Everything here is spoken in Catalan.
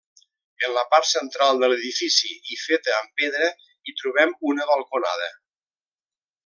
En la part central de l'edifici, i feta amb pedra, hi trobem una balconada.